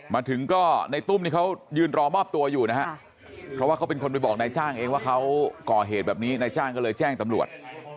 มาถึงก็ในตุ้มนี่เขายืนรอมอบตัวอยู่นะฮะเพราะว่าเขาเป็นคนไปบอกนายจ้างเองว่าเขาก่อเหตุแบบนี้นายจ้างก็เลยแจ้งตำรวจ